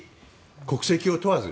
国籍を問わず。